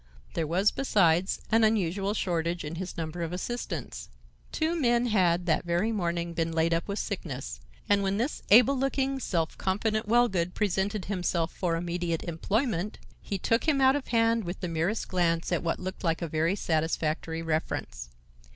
There was, besides, an unusual shortage in his number of assistants. Two men had that very morning been laid up with sickness, and when this able looking, self confident Wellgood presented himself for immediate employment, he took him out of hand with the merest glance at what looked like a very satisfactory reference.